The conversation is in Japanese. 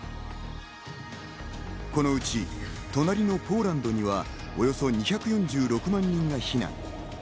このうち、隣のポーランドにはおよそ２４６万人が避難。